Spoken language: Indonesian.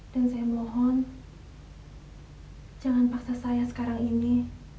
dan saya mohon jangan paksa saya sekarang ini